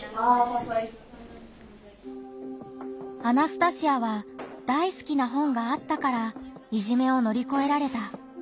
アナスタシアは大好きな本があったからいじめを乗り越えられた。